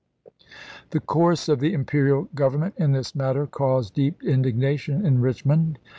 The course of the Imperial Government in this matter caused deep indignation in Richmond.